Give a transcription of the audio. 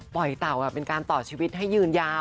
เต่าเป็นการต่อชีวิตให้ยืนยาว